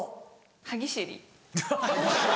歯ぎしり。